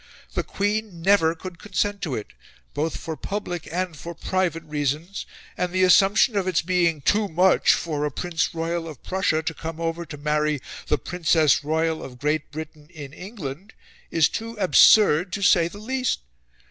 The Queen NEVER could consent to it, both for public and for private reasons, and the assumption of its being TOO MUCH for a Prince Royal of Prussia to come over to marry the Princess Royal of Great Britain in England is too ABSURD to say the least.